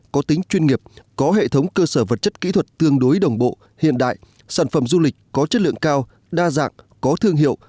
có tính chuyên nghiệp có hệ thống cơ sở vật chất kỹ thuật tương đối đồng bộ hiện đại sản phẩm du lịch có chất lượng cao đa dạng có thương hiệu